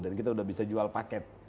dan kita sudah bisa jual paket